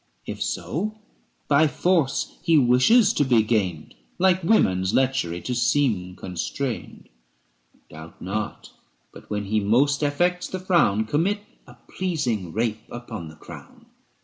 470 If so, by force he wishes to be gained, Like women's lechery to seem constrained. Doubt not : but, when he most affects the frown, Commit a pleasing rape upon the crown.